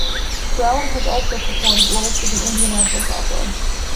Brown has also performed roles with the Indianapolis Opera.